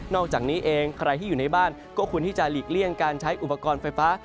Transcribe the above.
อกจากนี้เองใครที่อยู่ในบ้านก็ควรที่จะหลีกเลี่ยงการใช้อุปกรณ์ไฟฟ้า